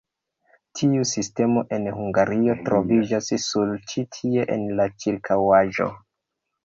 Tiu sistemo en Hungario troviĝas nur ĉi tie en la ĉirkaŭaĵo.